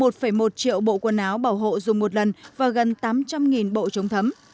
một một triệu bộ quần áo bảo hộ dùng một lần và gần tám trăm linh bộ chống thấm